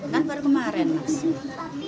kan baru kemarin maks